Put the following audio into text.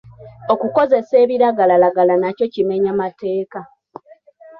Okukozesa ebiragalalagala nakyo kimenya mateeka.